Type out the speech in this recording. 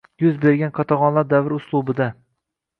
yuz bergan qatag‘onlar davri uslubida